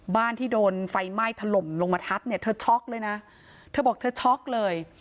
บ้านที่โดนไฟไหม้ถล่มลงมาทับเนี่ยเธอช็อกเลยนะเธอบอกเธอช็อกเลย